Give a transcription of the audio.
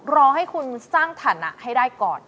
รอให้คุณสร้างฐานะให้ได้ก่อน